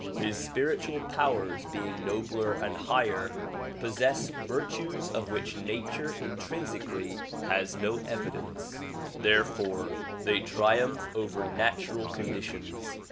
His spiritual powers being nobler and higher, possess virtues of which nature intrinsically has no evidence ; therefore they triumph over natural conditions.